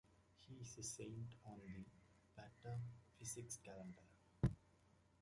He is a saint on the 'Pataphysics calendar.